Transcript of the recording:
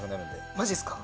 マジですか？